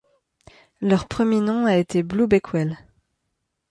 Leur premier nom a été blue bakewell.